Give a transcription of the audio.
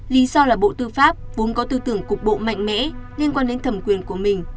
lý do là bộ tư pháp vốn có tư tưởng cục bộ mạnh mẽ liên quan đến thẩm quyền của mình